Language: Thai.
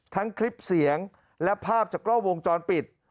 ทั้งคลิปเสียงและภาพจากกล้องวงจรปิด